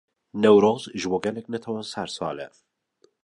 Newroz, ji bo gelek netewan sersal e